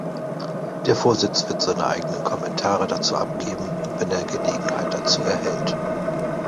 Der Vorsitz wird seine eigenen Kommentare dazu abgeben, wenn er Gelegenheit dazu erhält.